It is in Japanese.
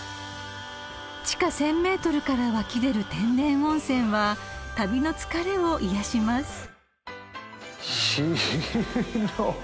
［地下１，０００ｍから湧き出る天然温泉は旅の疲れを癒やします］広っ！